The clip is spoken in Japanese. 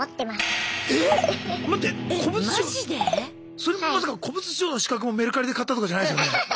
それもまさか古物証の資格もメルカリで買ったとかじゃないですよね。